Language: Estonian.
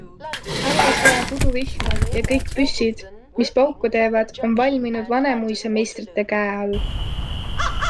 Laval sajab uduvihma ja kõik püssid, mis pauku teevad, on valminud Vanemuise meistrite käe all.